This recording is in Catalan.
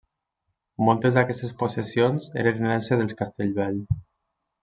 Moltes d'aquestes possessions eren herència dels Castellvell.